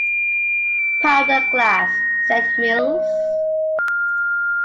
"Powdered glass," said Mills.